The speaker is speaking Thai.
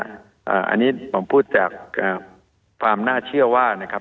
อันนี้ผมพูดจากความน่าเชื่อว่านะครับ